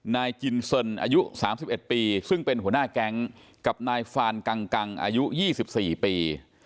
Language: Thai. นายจินเซินอายุสามสิบเอ็ดปีซึ่งเป็นหัวหน้าแกงกับนายฟานกังกังอายุยี่สิบสี่ปี